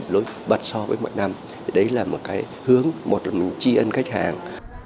lối bật so với mọi năm đấy là một cái hướng một chi ân khách hàng